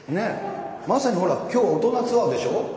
まさに今日大人ツアーでしょ。